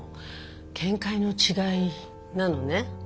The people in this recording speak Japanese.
見解の違いなのね？